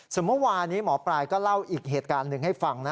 ส่วนเมื่อวานี้หมอปลายก็เล่าอีกเหตุการณ์หนึ่งให้ฟังนะ